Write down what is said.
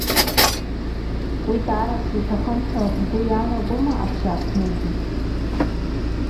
Уи даара сиҭахын ҳәа бгәы иаанагома абжьааԥынгьы?